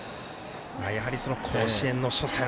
やはり、甲子園の初戦